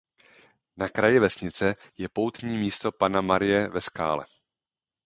Na kraji vesnice je poutní místo panna Marie ve skále.